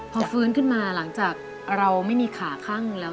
พอฟื้นขึ้นมาหลังจากเราไม่มีขาข้างหนึ่งแล้ว